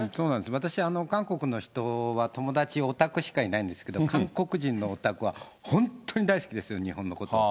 私、韓国の人は友達、オタクしかいないんですけど、韓国人のオタクは、本当に大好きですよ、日本のこと。